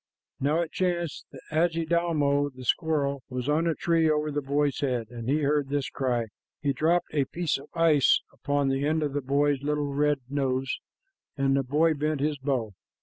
Now it chanced that Adjidaumo, the squirrel, was on a tree over the boy's head, and he heard this cry. He dropped a piece of ice upon the end of the boy's little red nose, and the boy bent his bow.